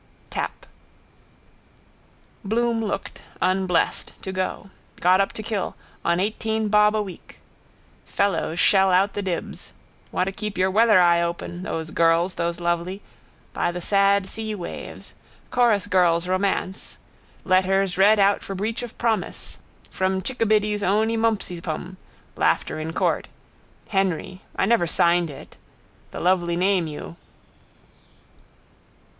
_ Tap. Bloom looked, unblessed to go. Got up to kill: on eighteen bob a week. Fellows shell out the dibs. Want to keep your weathereye open. Those girls, those lovely. By the sad sea waves. Chorusgirl's romance. Letters read out for breach of promise. From Chickabiddy's owny Mumpsypum. Laughter in court. Henry. I never signed it. The lovely name you.